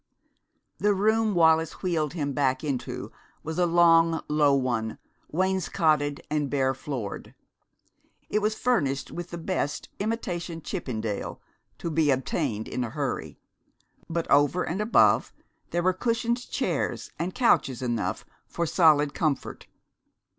The room Wallis wheeled him back into was a long, low one, wainscoted and bare floored. It was furnished with the best imitation Chippendale to be obtained in a hurry, but over and above there were cushioned chairs and couches enough for solid comfort.